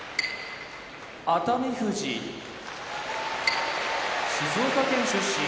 熱海富士静岡県出身